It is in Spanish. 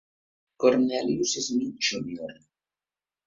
Cornelius Smith Jr.